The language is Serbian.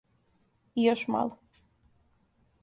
И још мало.